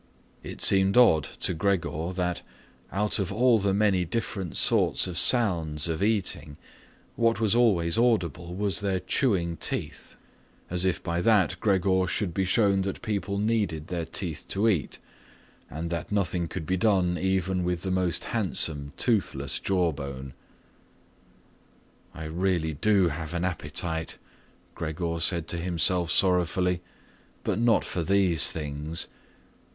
It seemed odd to Gregor that, out of all the many different sorts of sounds of eating, what was always audible was their chewing teeth, as if by that Gregor should be shown that people needed their teeth to eat and that nothing could be done even with the most handsome toothless jawbone. "I really do have an appetite," Gregor said to himself sorrowfully, "but not for these things.